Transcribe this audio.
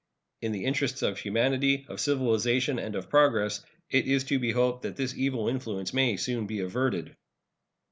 In the interests of humanity, of civilization, and of progress, it is to be hoped that this evil influence may be soon averted.